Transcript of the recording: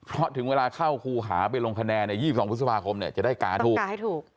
เพราะถึงเวลาเข้าครูขาอัปดาห์ไปลงคะแนนที่๒๒๒๕พศพจะได้กาให้ถูก